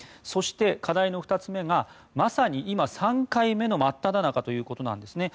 そして、課題の２つ目がまさに今、３回目の真っただ中ということです。